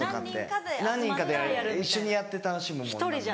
何人かで一緒にやって楽しむものなんで。